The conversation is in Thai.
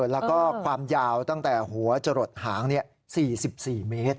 แล้วก็ความยาวตั้งแต่หัวจะหลดหาง๔๔เมตร